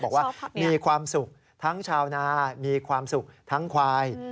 บอกว่ามีความสุขทั้งชาวนามีความสุขทั้งควาย